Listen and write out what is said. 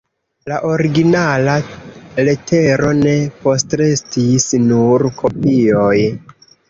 La originala letero ne postrestis, nur kopioj.